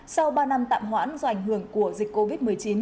sau ba năm tạm hoãn do ảnh hưởng của dịch covid một mươi chín